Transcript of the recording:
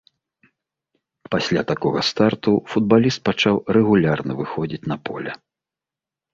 Пасля такога старту футбаліст пачаў рэгулярна выходзіць на поле.